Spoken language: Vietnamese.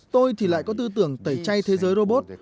tôi thì lại có tư tưởng tẩy chay thế giới robot